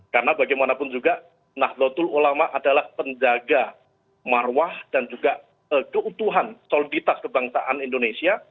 karena bagaimanapun juga nahdlatul ulama adalah penjaga marwah dan juga keutuhan soliditas kebangsaan indonesia